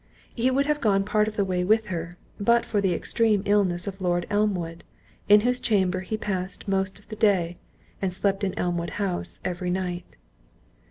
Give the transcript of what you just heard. He would have gone part of the way with her, but for the extreme illness of Lord Elmwood, in whose chamber he passed most of the day, and slept in Elmwood House every night.